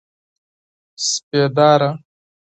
سپېداره